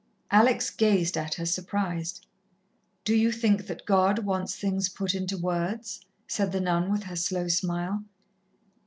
Alex gazed at her, surprised. "Do you think that God wants things put into words?" said the nun with her slow smile.